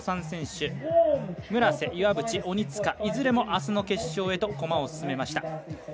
３選手村瀬、岩塚、鬼塚いずれもあすの決勝へ駒を進めました。